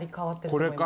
これか。